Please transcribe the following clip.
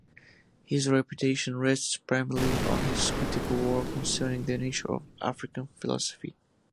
His reputation rests primarily on his critical work concerning the nature of African philosophy.